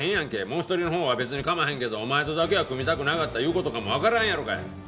もう一人のほうは別にかまへんけどお前とだけは組みたくなかったいう事かもわからんやろがい！